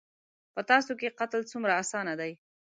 _په تاسو کې قتل څومره اسانه دی.